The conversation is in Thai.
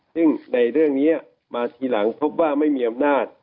ซึ่งในเรื่องนี้มาทีหลังพบว่าไม่มีอำนาจ